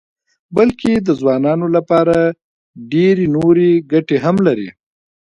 بلکې د ځوانانو لپاره ډېرې نورې ګټې هم لري.